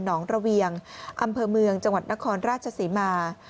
องระเวียงอำเภอเมืองจังหวัดนครราชศรีมา